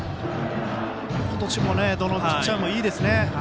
今年もどのピッチャーもいいですね。